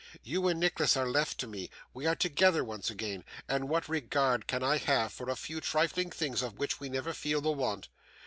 You and Nicholas are left to me, we are together once again, and what regard can I have for a few trifling things of which we never feel the want?